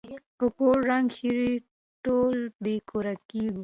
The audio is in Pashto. که کور ړنګ شي ټول بې کوره کيږو.